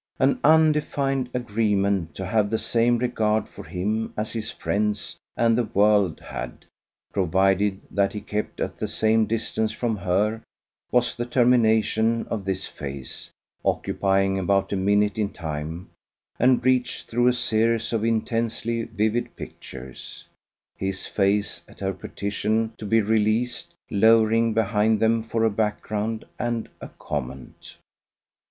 An undefined agreement to have the same regard for him as his friends and the world had, provided that he kept at the same distance from her, was the termination of this phase, occupying about a minute in time, and reached through a series of intensely vivid pictures: his face, at her petition to be released, lowering behind them for a background and a comment.